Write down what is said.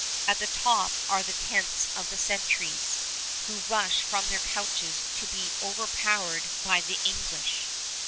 At the top are the tents of the sentries, who rush from their couches to be overpowered by the English.